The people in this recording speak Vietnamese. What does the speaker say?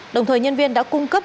đồng thời nhân viên đã cung cấp